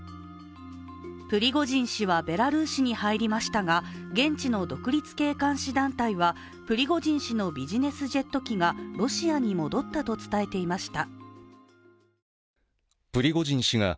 プリゴジン氏はベラルーシに入りましたが現地の独立系監視団体はプリゴジン氏のビジネスジェット機がロシアに戻ったと伝えていました。